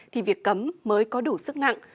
thì việc cấm mới có đủ sức nặng